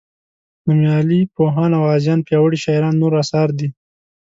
نومیالي پوهان او غازیان پیاوړي شاعران نور اثار دي.